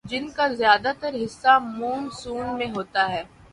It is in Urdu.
جن کا زیادہ تر حصہ مون سون میں ہوتا ہے